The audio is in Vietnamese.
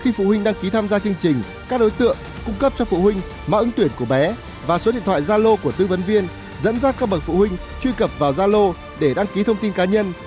khi phụ huynh đăng ký tham gia chương trình các đối tượng cung cấp cho phụ huynh mạng ứng tuyển của bé và số điện thoại gia lô của tư vấn viên dẫn dắt các bậc phụ huynh truy cập vào gia lô để đăng ký thông tin cá nhân